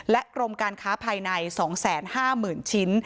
กรมการค้าภายใน๒๕๐๐๐ชิ้น